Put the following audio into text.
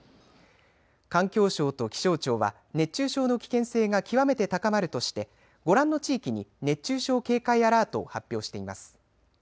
環境省と気象庁は熱中症の危険性が極めて高まるとしてご覧の地域に熱中症警戒アラートを発表しています。